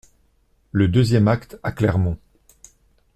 Le deuxième acte à Clermont.